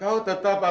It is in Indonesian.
ni rope tanya